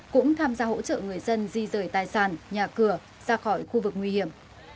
cũng tham gia hỗ trợ người dân di rời tài sản nhà cửa ra khỏi khu vực nguy hiểm